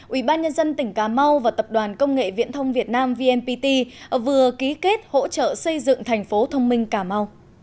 ubnd tỉnh cà mau và tập đoàn công nghệ viễn thông việt nam vnpt vừa ký kết hỗ trợ xây dựng thành phố thông minh cà mau